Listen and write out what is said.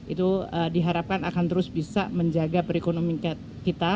itu diharapkan akan terus bisa menjaga perekonomian kita